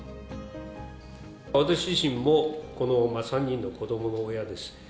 私自身も３人の子どもの親です。